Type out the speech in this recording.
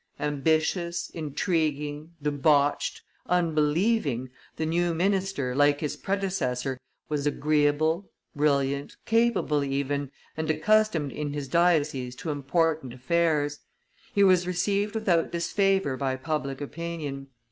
Ambitious, intriguing, debauched, unbelieving, the new minister, like his predecessor, was agreeable, brilliant, capable even, and accustomed in his diocese to important affairs. He was received without disfavor by public opinion.